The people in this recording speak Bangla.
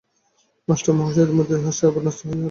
মাষ্টার মহাশয় মৃদুহাস্যে অবনতমস্তক হইয়া রহিলেন।